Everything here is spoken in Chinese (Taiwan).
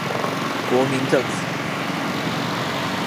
國民政府